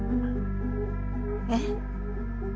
えっ？